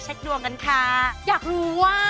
สวัสดีกับครอบครัว